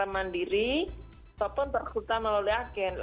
antara mandiri ataupun persulutan melalui agen